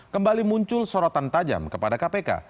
kembali muncul sorotan tajam kepada kpk